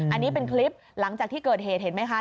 อันนี้เป็นคลิปหลังจากที่เกิดเหตุเห็นไหมคะ